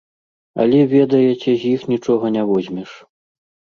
Але, ведаеце, з іх нічога не возьмеш.